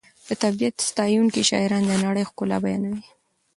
د طبیعت ستایونکي شاعران د نړۍ ښکلا بیانوي.